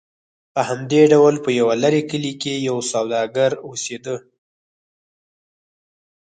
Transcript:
په همدې ډول په یو لرې کلي کې یو سوداګر اوسېده.